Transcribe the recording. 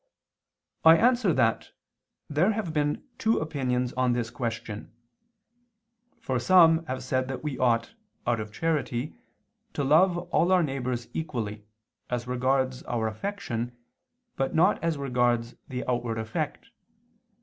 I answer that, There have been two opinions on this question: for some have said that we ought, out of charity, to love all our neighbors equally, as regards our affection, but not as regards the outward effect.